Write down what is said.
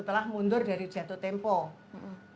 nah ilmuwan adalah sudah mdlepaskan